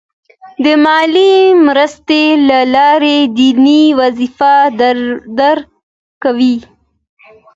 د مالي مرستې له لارې دیني وظیفه ادا کوي.